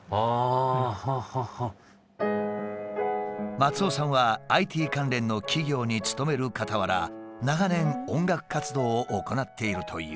松尾さんはＩＴ関連の企業に勤めるかたわら長年音楽活動を行っているという。